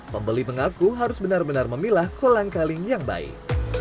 pembeli mengaku harus benar benar memilah kolang kaling yang baik